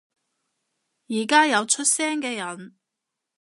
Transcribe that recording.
而家有出聲嘅人